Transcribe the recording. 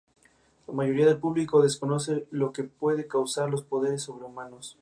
Tiene una rivalidad poco clara con Nelson.